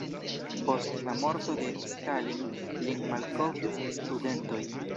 Post la morto de Stalin lin malkovris studentoj.